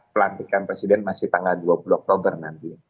pelantikan presiden masih tanggal dua puluh oktober nanti